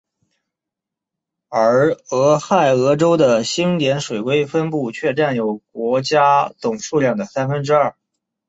而俄亥俄州的星点水龟分布却占有国家总数量的三分之二。